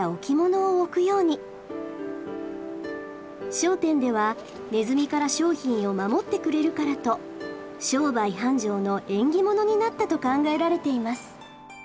商店ではネズミから商品を守ってくれるからと商売繁盛の縁起物になったと考えられています。